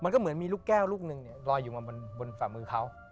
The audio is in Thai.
ก็เหมือนมีลูกแก้วลูกนึงเนี่ยลอยอยู่มาบนฝ่ามือเขา